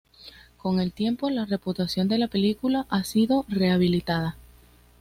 Con el tiempo, la reputación de la película ha sido rehabilitada.